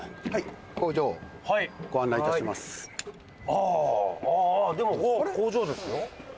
ああでも工場ですよ。